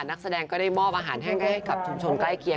นักแสดงก็ได้มอบอาหารแห้งให้กับชุมชนใกล้เคียง